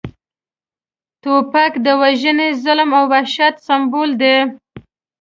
توپک د وژنې، ظلم او وحشت سمبول دی